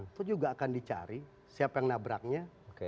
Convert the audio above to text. itu juga akan dicari siapa yang nabraknya